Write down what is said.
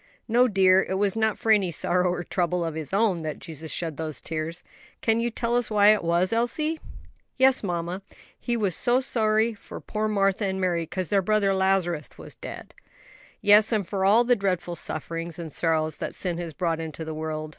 "No, dear; it was not for any sorrow or trouble of His own that Jesus shed those tears. Can you tell us why it was, Elsie?" "Yes, mamma; He was so sorry for poor Martha and Mary, 'cause their brother Lazarus was dead." "Yes, and for all the dreadful sufferings and sorrows that sin has brought into the world.